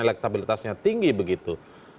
elektabilitasnya tinggi begitu